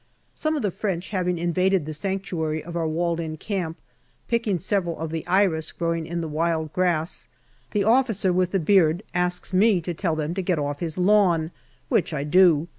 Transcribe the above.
Some of the French having invaded the sanctuary of our walled in camp, picking several of the iris growing in the wild grass, the officer with the beard asks me to tell them to get off his lawn, which I do.